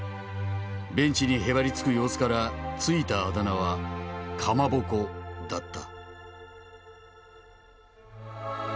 ベンチにへばりつく様子から付いたあだ名は「かまぼこ」だった。